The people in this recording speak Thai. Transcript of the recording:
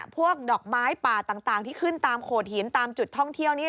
พวกดอกไม้ป่าต่างที่ขึ้นตามโขดหินตามจุดท่องเที่ยวนี้